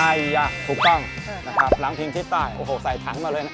ไอ้ยาถูกต้องหลังทิศตะวันโอ้โหใส่ถังมาเลยนะ